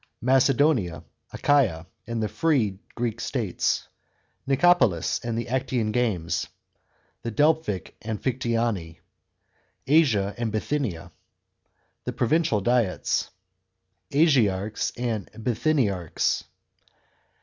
§ 2. MACEDONIA, ACHAIA, and FREK GREEK STATES. Nicopolis and the Actian games. The Delphic Amphictyonv. § 3. ASIA and BITHYNIA. T»e provincial diets. Asi archs and Bithynitrc'is.